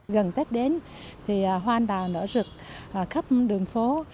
gần tết đến thì hoa anh đào nở rực khắp đường phố